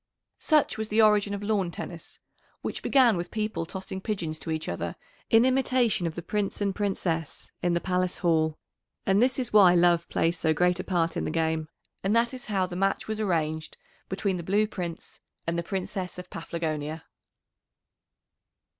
Such was the origin of lawn tennis, which began with people tossing pigeons to each other in imitation of the Prince and Princess in the Palace Hall. And this is why love plays so great a part in the game, and that is how the match was arranged between the Blue Prince and the Princess of Paphlagonia.